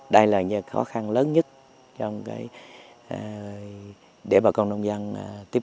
đây là những khó khăn lớn nhất trong cái